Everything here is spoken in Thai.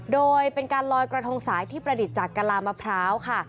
โดยเป็นการลอยกระทงสายที่ประดิษฐ์จากกะลามะพร้าวค่ะ